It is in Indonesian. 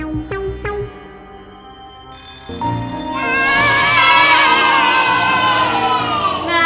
nanti gak dibagi makan sama kita ya